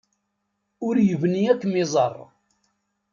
Ur yebni ad kem-iẓer.